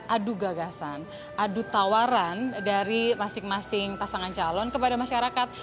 adu gagasan adu tawaran dari masing masing pasangan calon kepada masyarakat